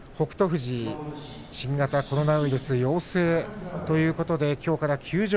富士、新型コロナウイルス陽性ということできょうから休場。